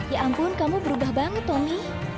ya ampun kamu berubah banget tommy